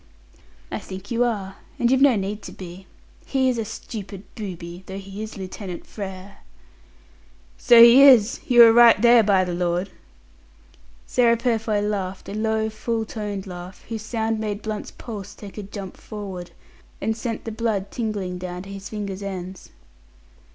"I think you are and you've no need to be. He is a stupid booby, though he is Lieutenant Frere." "So he is. You are right there, by the Lord." Sarah Purfoy laughed a low, full toned laugh, whose sound made Blunt's pulse take a jump forward, and sent the blood tingling down to his fingers ends.